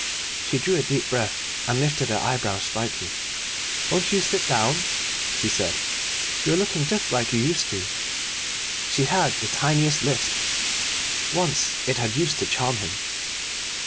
She drew a deep breath, and lifted her eyebrows slightly. "Won't you sit down?" she said; "you are looking just like you used to." She had the tiniest lisp; once it had used to charm him.